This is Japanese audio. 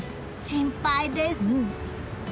心配です。